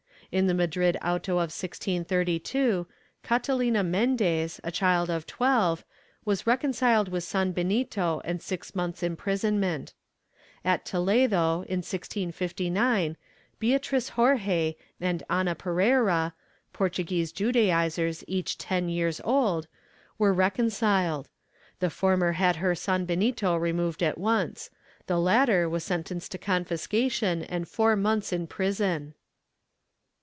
In the Madrid Auto of 1632, Catalina Mendez, a child of 12, was reconciled with sanbenito and six months' imprisonment. At Toledo, in 1659, Beatriz Jorje and Ana Pereira, Portuguese Judaizers each ten years old, were recon ciled; the former had her sanbenito removed at once; the latter was sentenced to confiscation and four months of prison.